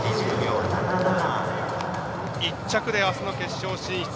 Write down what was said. １着で、あすの決勝進出。